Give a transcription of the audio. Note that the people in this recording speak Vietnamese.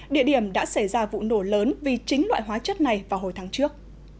địa điểm đã xảy ra vụ nổ lớn vì chính loại hóa chất này vào hồi tháng trước